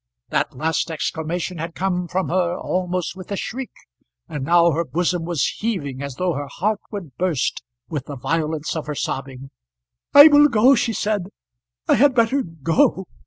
That last exclamation had come from her almost with a shriek, and now her bosom was heaving as though her heart would burst with the violence of her sobbing. "I will go," she said. "I had better go."